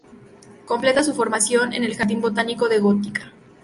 Completa su formación en el Jardín botánico de Gotinga.